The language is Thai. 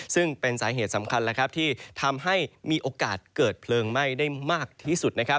ซึ่งเป็นสาเหตุสำคัญที่ทำให้มีโอกาสเกิดเพลิงไหม้ได้มากที่สุด